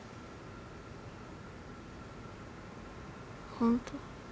本当？